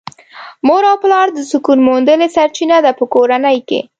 مور او پلار د سکون موندلې سرچينه ده په کورنۍ کې .